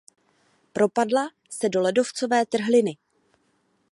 Propadla se do ledovcové trhliny.